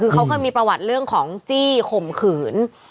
คือเขาเคยมีประวัติเรื่องของจี้ข่มขืน